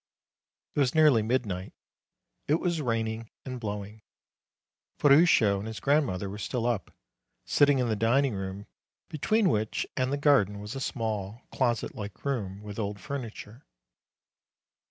It was nearly midnight. It was raining and blow ing. Ferruccio and his grandmother were still up, sitting in the dining room, between which and the garden was a small, closet like room, with old furni ture.